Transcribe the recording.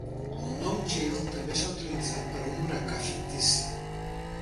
El nom Gil també s'ha utilitzat per a un huracà fictici.